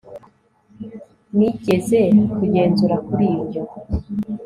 nigeze kugenzura kuri ibyo